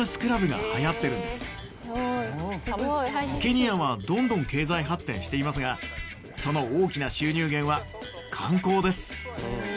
ケニアはどんどん経済発展していますがその大きな収入源は観光です。